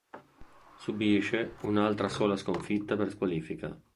Subisce un'altra sola sconfitta per squalifica.